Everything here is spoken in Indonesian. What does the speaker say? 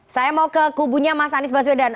saya mau ke kubunya mas anies baswedan